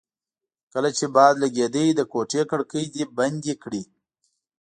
کله چې باد لګېده د کوټې کړکۍ دې بندې کړې.